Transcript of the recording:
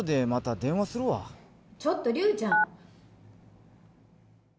ちょっと、竜ちゃん！